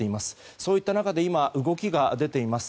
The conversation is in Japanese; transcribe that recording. そういった中動きが出ています。